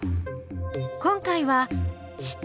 今回は「質」。